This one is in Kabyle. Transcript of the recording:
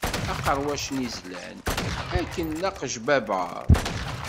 Aqerwac-nni zlan, akken d aqejbabbaṛ.